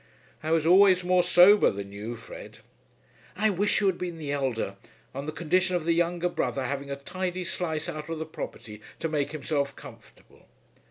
"I was always more sober than you, Fred." "I wish you had been the elder, on the condition of the younger brother having a tidy slice out of the property to make himself comfortable."